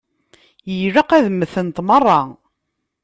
Ilaq ad mmtent merra.